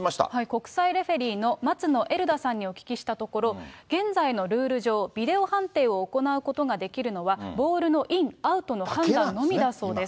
国際レフェリーの松野えるださんにお聞きしたところ、現在のルール上、ビデオ判定を行うことができるのは、ボールのイン・アウトの判断のみだそうです。